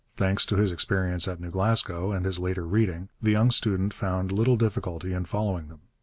Thanks to his experience at New Glasgow and his later reading, the young student found little difficulty in following them.